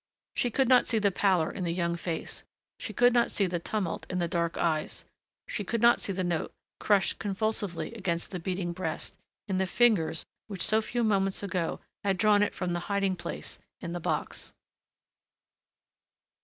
She could not see the pallor in the young face. She could not see the tumult in the dark eyes. She could not see the note, crushed convulsively against the beating breast, in the fingers which so few moments ago had drawn it from the hiding place in the box.